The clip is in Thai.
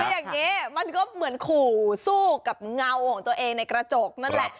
คืออย่างนี้มันก็เหมือนขู่สู้กับเงาของตัวเองในกระจกนั่นแหละ